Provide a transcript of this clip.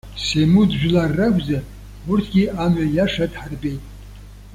Семуд жәлар ракәзар, урҭгьы амҩа иаша дҳарбеит.